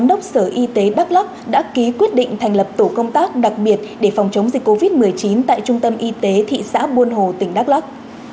giám đốc sở y tế đắk lắk đã ký quyết định thành lập tổ công tác đặc biệt để phòng chống dịch covid một mươi chín tại trung tâm y tế thị xã buôn hồ tỉnh đắk lắc